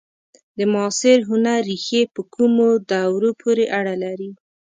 د معاصر هنر ریښې په کومو دورو پورې اړه لري؟